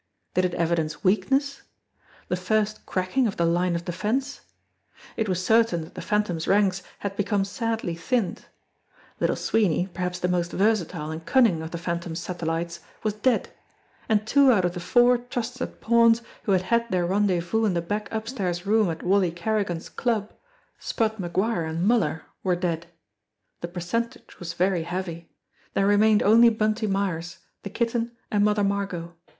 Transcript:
Did it evidence weakness? The first cracking of the line of defence? It was certain that the Phantom's ranks had become sadly thinned. Little Sweeney, perhaps the most THE CALL OF THE NIGHT 219 versatile and cunning of the Phantom satellites, was dead; and two out of the four trusted pawns who had had their rendezvous in the back upstairs room at Wally Kerrigan's "club," Spud MacGuire and Muller, were dead. The per centage was very heavy ! There remained only Bunty Myers, the Kitten, and Mother Margot.